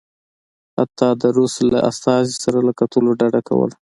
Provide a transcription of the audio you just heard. حتی د روس له استازي سره له کتلو ډډه کوله.